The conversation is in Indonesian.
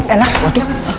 eh lah jangan